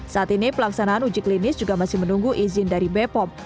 saat ini pelaksanaan uji klinis juga masih menunggu izin dari bepom